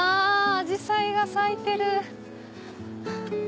アジサイが咲いてる！